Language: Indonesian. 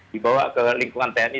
dibawa ke lingkungan tni